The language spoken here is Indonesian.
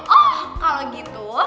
oh kalau gitu